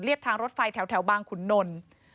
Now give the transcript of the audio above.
เลียดทางรถไฟแถวบางขุนนล